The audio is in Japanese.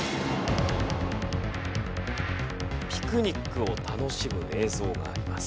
ピクニックを楽しむ映像があります。